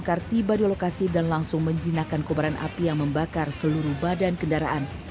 bakar tiba di lokasi dan langsung menjinakkan kobaran api yang membakar seluruh badan kendaraan